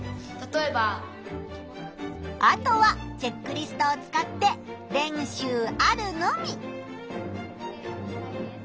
あとはチェックリストを使って練習あるのみ！